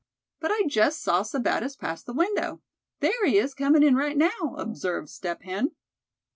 "But I just saw Sebattis pass the window; there he is comin' in right now," observed Step Hen.